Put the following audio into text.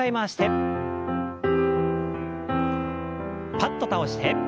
パッと倒して。